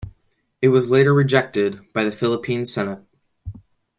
It was later rejected by the Philippine Senate.